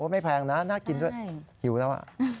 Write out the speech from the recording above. ไม่แพงนะน่ากินด้วยหิวแล้ว